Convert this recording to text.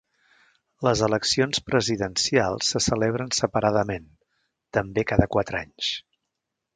Les eleccions presidencials se celebren separadament, també cada quatre anys.